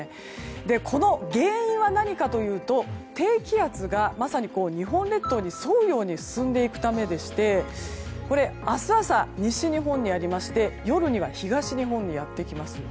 この原因は何かというと低気圧がまさに日本列島に沿うように進んでいくためでして明日朝、西日本にありまして夜には東日本にやってきます。